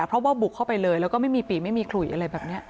เพราะว่าบุกเข้าไปเลยแล้วก็ไม่มีปีไม่มีขลุยอะไรแบบนี้